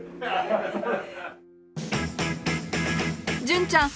純ちゃん